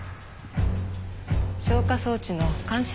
消火装置の感知